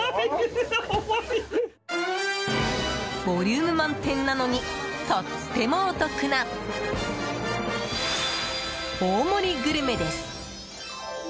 ボリューム満点なのにとってもお得な大盛りグルメです。